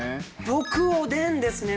僕はおでんですね。